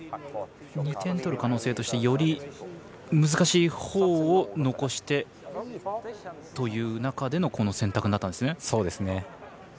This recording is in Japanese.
２点取る可能性としてより難しいほうを残してという中でのこの選択だったんですね。